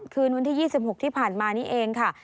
คืนวันที่๒๖ที่ผ่านมานี่เองค่ะ